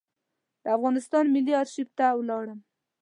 د افغانستان ملي آرشیف ته ولاړم.